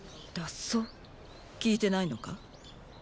聞いてないのか？